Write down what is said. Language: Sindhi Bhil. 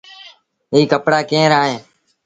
اي ڪپڙآ ڪݩهݩ رآ اهيݩ۔